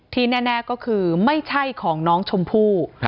แน่ก็คือไม่ใช่ของน้องชมพู่